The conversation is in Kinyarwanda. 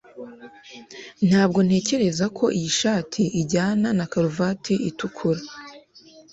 Ntabwo ntekereza ko iyi shati ijyana na karuvati itukura.